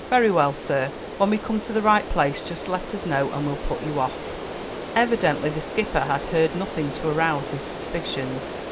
"Very well, sir, when we come to the right place, just let us know and we'll put you off." Evidently the skipper had heard nothing to arouse his suspicions.